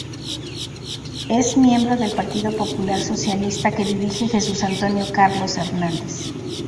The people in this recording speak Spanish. Es miembro del Partido Popular Socialista, que dirige Jesús Antonio Carlos Hernández.